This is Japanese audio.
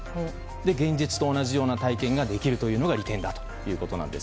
現実と同じような体験ができるというのが利点だということです。